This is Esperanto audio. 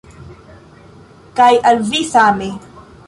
Kaj al vi same.